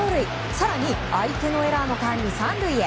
更に相手のエラーの間に３塁へ。